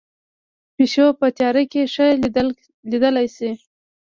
پیشو په تیاره کې ښه لیدلی شي